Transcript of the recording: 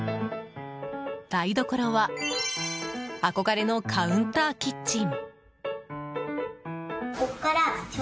台所は憧れのカウンターキッチン。